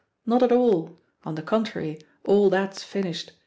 Not at all; on the contrary, all that's finished.